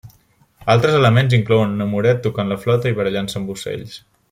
Altres elements inclouen un amoret tocant la flauta i barallant-se amb ocells.